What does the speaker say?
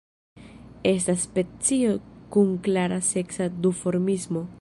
Estas specio kun klara seksa duformismo.